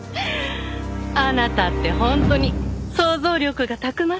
あなたって本当に想像力がたくましいのね。